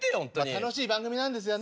楽しい番組なんですよね。